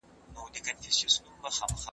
موږ د روښانه راتلونکي لپاره کار کوو.